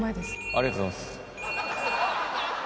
ありがとうございます。